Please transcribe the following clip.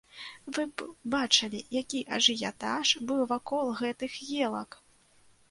Вы б бачылі, які ажыятаж быў вакол гэтых елак!